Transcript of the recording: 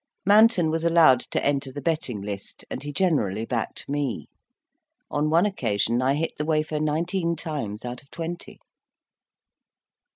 Manton was allowed to enter the betting list, and he generally backed me. On one occasion, I hit the wafer nineteen times out of twenty.